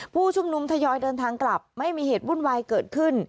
ผู้ชุมนุมทยอยเดินทางกลับไม่มีเหตุวุ่นวายเกิดขึ้น